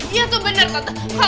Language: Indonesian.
iya tuh bener tante